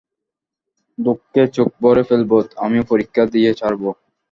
দুঃখে চোখ ভরে ফেলবো, আমিও পরীক্ষা দিয়ে ছাড়বো।